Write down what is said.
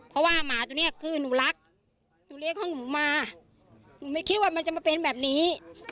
เพราะว่าหมาตรงนี้ก็คือนุรักทุบเหลียกทางนุมาไม่คิดว่ามันจะก็เป็นแบบนี้